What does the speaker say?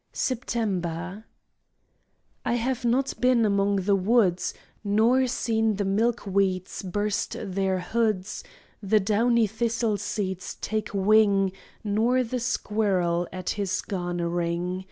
September I have not been among the woods, Nor seen the milk weeds burst their hoods, The downy thistle seeds take wing, Nor the squirrel at his garnering.